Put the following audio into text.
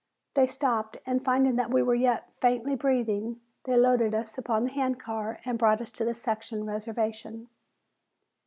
They stopped, and finding that we were yet faintly breathing, they loaded us upon the hand car and brought us to the section reservation.